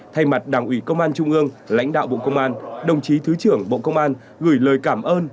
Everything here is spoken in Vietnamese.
thay mặt đảng ủy công an trung ương lãnh đạo bộ công an đồng chí thứ trưởng bộ công an gửi lời cảm ơn